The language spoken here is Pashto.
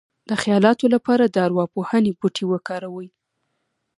د خیالاتو لپاره د ارواپوهنې بوټي وکاروئ